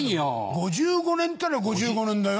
５５年ったら５５年だよ。